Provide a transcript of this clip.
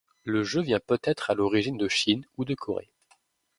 Le jeu vient peut-être à l'origine de Chine ou de Corée.